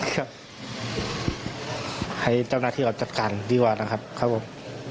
ครับให้เจ้าหน้าที่เราจัดการดีกว่านะครับครับผม